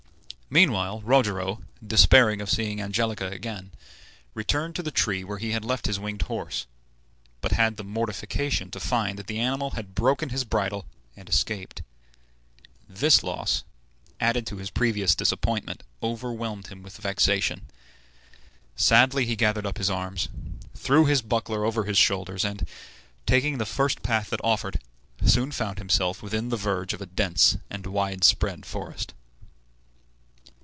Meanwhile Rogero, despairing of seeing Angelica again, returned to the tree where he had left his winged horse, but had the mortification to find that the animal had broken his bridle and escaped. This loss, added to his previous disappointment, overwhelmed him with vexation. Sadly he gathered up his arms, threw his buckler over his shoulders, and, taking the first path that offered, soon found himself within the verge of a dense and widespread forest.